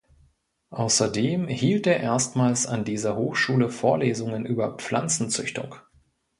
Außerdem hielt er erstmals an dieser Hochschule Vorlesungen über Pflanzenzüchtung.